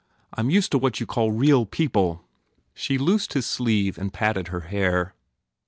I m used to what you call real people !" She loosed his sleeve and patted her hair.